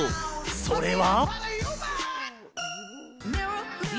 それは。